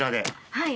はい。